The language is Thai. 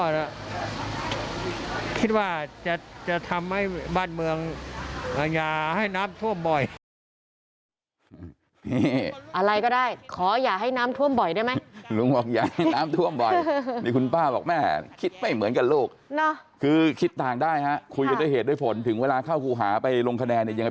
เลือกเพราะอะไรเบอร์ที่เราจะเลือกเราเลือกเพราะอะไร